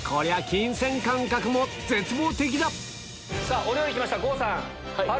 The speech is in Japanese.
金銭感覚も絶望的だお料理きました郷さん。